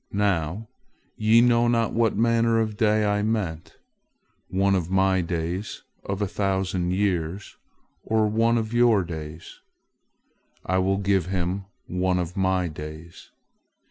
Now, ye know not what manner of day I meant—one of My days of a thousand years, or one of your days. I will give him one of My days.